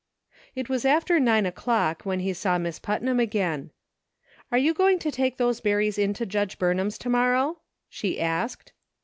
It was after nine o'clock when he saw Miss Put nam again. "Are you going to take those berries in to Judge Burnham's to morrow .*" she asked.